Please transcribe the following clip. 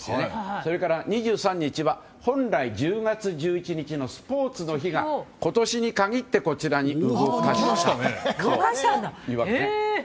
それから２３日は本来１０月１１日のスポーツの日が今年に限って、こちらに動かしたというわけです。